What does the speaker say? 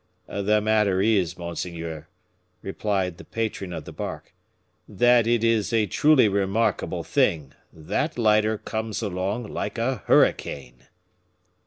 "The matter is, monseigneur," replied the patron of the bark, "that it is a truly remarkable thing that lighter comes along like a hurricane."